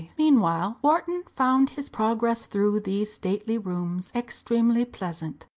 Meanwhile Wharton found his progress through these stately rooms extremely pleasant.